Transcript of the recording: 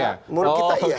menurut kita iya